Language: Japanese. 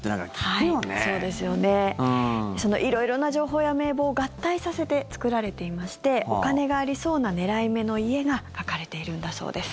色々な情報や名簿を合体させて作られていましてお金がありそうな狙い目の家が書かれているんだそうです。